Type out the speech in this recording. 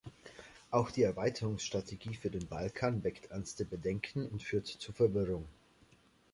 Auch die Erweiterungsstrategie für den Balkan weckt ernste Bedenken und führt zu Verwirrung.